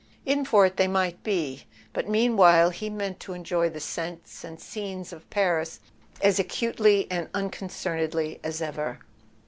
In for it they might be; but meanwhile he meant to enjoy the scents and scenes of Paris as acutely and unconcernedly as ever.